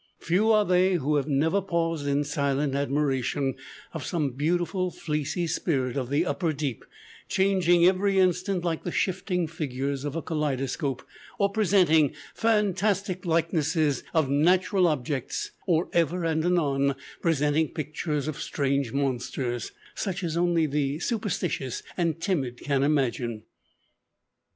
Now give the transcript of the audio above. Few are they who have never paused in silent admiration of some beautiful fleecy spirit of the upper deep, changing every instant like the shifting figures of a kaleidoscope, or presenting fantastic likenesses of natural objects, or ever and anon presenting pictures of strange monsters, such as only the superstitious and timid can imagine.